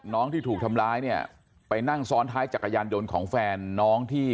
ที่ถูกทำร้ายเนี่ยไปนั่งซ้อนท้ายจักรยานยนต์ของแฟนน้องที่